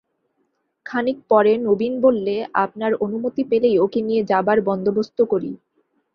খানিক পরে নবীন বললে, আপনার অনুমতি পেলেই ওঁকে নিয়ে যাবার বন্দোবস্ত করি।